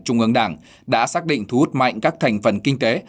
trung ương đảng đã xác định thu hút mạnh các thành phần kinh tế